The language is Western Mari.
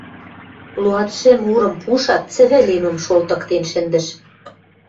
Луатшӹм урым пушат, цӹвӹ лемӹм шолтыктен шӹндӹш.